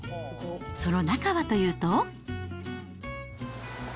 その中はというと。